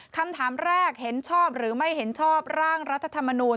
คำถามแรกเห็นชอบหรือไม่เห็นชอบร่างรัฐธรรมนูล